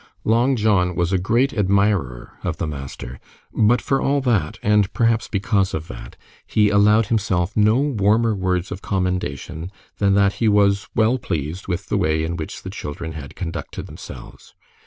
Long John was a great admirer of the master, but for all that, and perhaps because of that, he allowed himself no warmer words of commendation than that he was well pleased with the way in which the children had conducted themselves.